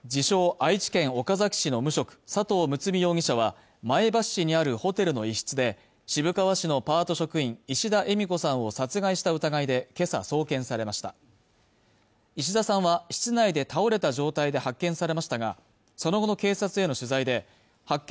愛知県岡崎市の無職佐藤睦容疑者は前橋市にあるホテルの一室で渋川市のパート職員石田えみ子さんを殺害した疑いで今朝送検されました石田さんは室内で倒れた状態で発見されましたがその後の警察への取材で発見